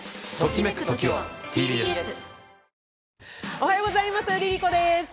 おはようございますＬｉＬｉＣｏです。